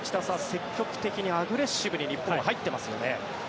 積極的にアグレッシブに日本は入ってますよね。